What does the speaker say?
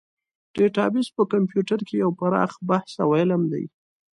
ډیټابیس په کمپیوټر کې یو پراخ بحث او علم دی.